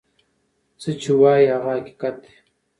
څه چی وای هغه حقیقت دی.